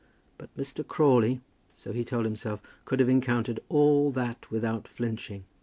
But Mr. Crawley, so he told himself, could have encountered all that without flinching.